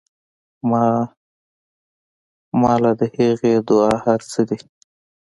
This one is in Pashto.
ما له د هغې دعا هر سه دي.